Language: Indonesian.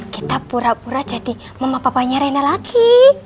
kita pura pura jadi mama papanya rena lagi